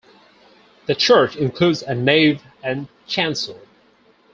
The church includes a nave and chancel.